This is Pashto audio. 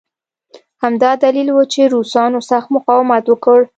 همدا دلیل و چې روسانو سخت مقاومت وکړ